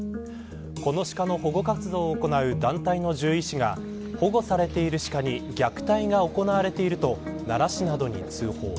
このシカの保護活動を行う団体の獣医師が保護されているシカに虐待が行われていると奈良市などに通報。